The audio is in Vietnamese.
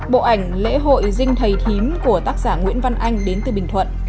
bộ ảnh lễ hội dinh thầy thím của tác giả nguyễn văn anh đến từ bình thuận